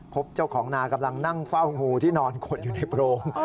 พบเจ้าของนากำลังนั่งเฝ้างูที่นอนขดอยู่ในโพรง